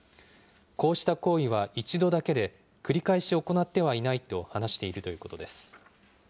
こうした行為は１度だけで、繰り返し行ってはいないと話しているということです。